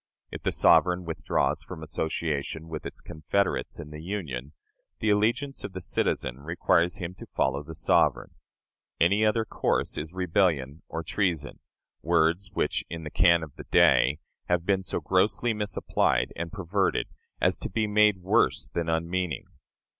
If the sovereign withdraws from association with its confederates in the Union, the allegiance of the citizen requires him to follow the sovereign. Any other course is rebellion or treason words which, in the cant of the day, have been so grossly misapplied and perverted as to be made worse than unmeaning.